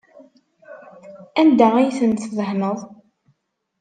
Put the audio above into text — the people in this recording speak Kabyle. Anda ay ten-tdehneḍ?